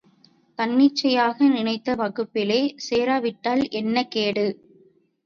தன்னிச்சையாக, நினைத்த வகுப்பிலே சேரவிட்டால் என்ன கேடு?